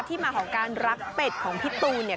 มาของการรักเป็ดของพี่ตูนเนี่ย